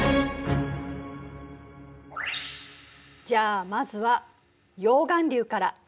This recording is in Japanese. じゃあまずは溶岩流から。